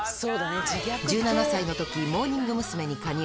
１７歳のとき、モーニング娘。に加入。